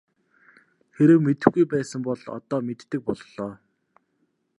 Хэрэв мэдэхгүй байсан бол одоо мэддэг боллоо.